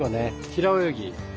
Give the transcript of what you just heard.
平泳ぎ。